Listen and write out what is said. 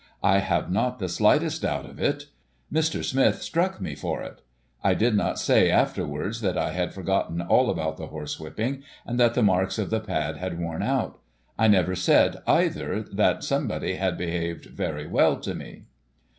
I have not the slightest doubt of it. Mr. Smith struck me for it. I did not say, afterwards, that I had forgotten all about the horsewhipping, and that the marks of the pad had worn out. I never said, either, that somebody had behaved very well to me."